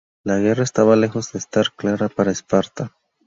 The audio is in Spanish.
La guerra estaba lejos de estar clara para Esparta.